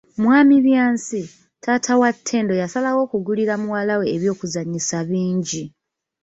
Mwami Byansi, taata wa Ttendo yasalawo okugulira muwala we eby'okuzanyisa bingi.